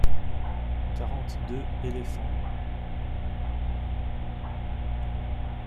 Quarante-deux éléphants.